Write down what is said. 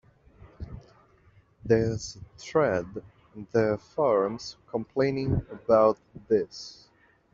There's a thread in their forums complaining about this.